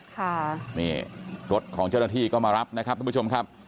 ค่ะนี่รถของเจ้าหน้าที่ก็มารับนะครับทุกผู้ชมครับ